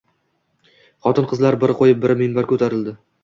Xotin-qizlar biri qo‘yib, biri minbar ko‘tarildi.